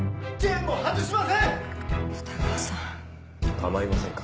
構いませんか？